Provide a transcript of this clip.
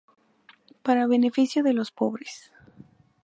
Para beneficio de los pobres.